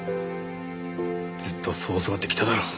ずっとそう教わってきただろ？